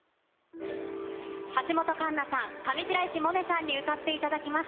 橋本環奈さん、上白石萌音さんに歌っていただきます。